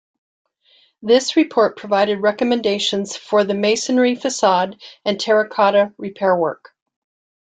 This report provided recommendations for the masonry facade and terra cotta repair work.